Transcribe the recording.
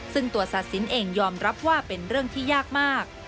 ซึ่งตัวศาสินเองยอมรับว่าเป็นเรื่องที่ยากมาก